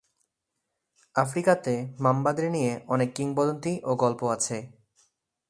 আফ্রিকাতে মাম্বাদের নিয়ে অনেক কিংবদন্তি ও গল্প আছে।